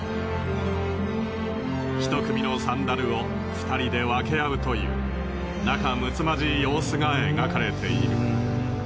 １組のサンダルを２人で分け合うという仲睦まじい様子が描かれている。